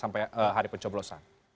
sampai hari pencoblosan